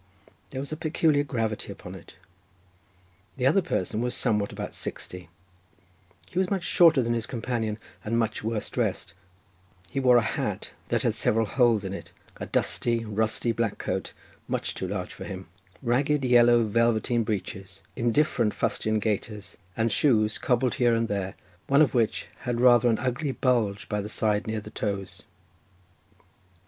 There was a peculiar gravity upon it. The other person was somewhat about sixty—he was much shorter than his companion, and much worse dressed—he wore a hat that had several holes in it, a dusty, rusty black coat, much too large for him; ragged yellow velveteen breeches, indifferent fustian gaiters, and shoes, cobbled here and there, one of which had rather an ugly bulge by the side near the toes.